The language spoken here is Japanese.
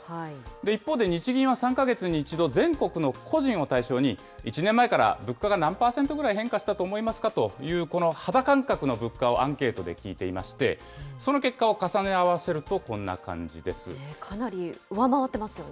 一方で日銀は３か月に１度、全国の個人を対象に、１年前から物価が何％ぐらい変化したと思いますかという、この肌感覚の物価をアンケートで聞いていまして、その結果を重ね合わせかなり上回ってますよね。